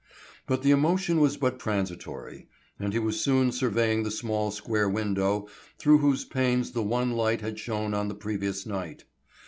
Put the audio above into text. But the emotion was but transitory, and he was soon surveying the small square window through whose panes the one light had shone on the previous night.